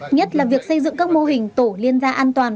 nhất là việc xây dựng các mô hình tổ liên gia an toàn